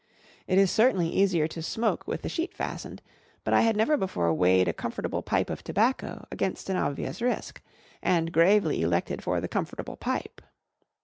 It is certainly easier to smoke with the sheet fastened; but I had never before weighed a comfortable pipe of tobacco against an obvious risk, and gravely elected for the comfortable pipe.